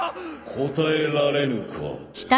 答えられぬか。